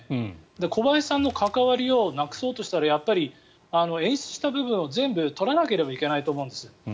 小林さんの関わりをなくそうとしたらやっぱり演出した部分を全部取らなければいけないと思うんです。